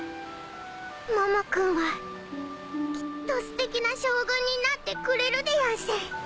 モモ君はきっとすてきな将軍になってくれるでやんす。